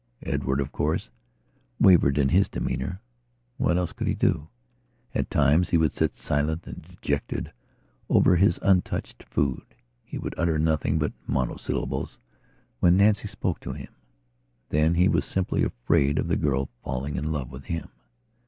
Edward, of course, wavered in his demeanour, What else could he do? At times he would sit silent and dejected over his untouched food. He would utter nothing but monosyllables when Nancy spoke to him. Then he was simply afraid of the girl falling in love with him.